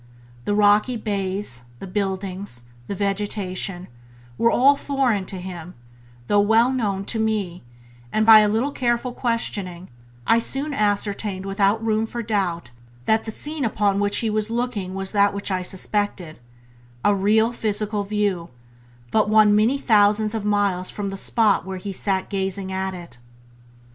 The rocky bays, the buildings, the vegetation, were all foreign to him, though well known to me; and by a little careful questioning I soon ascertained without room for doubt that the scene upon which he was looking was that which I suspected — a real physical view, but one many thousands of miles from the spot where he sat gazing at it.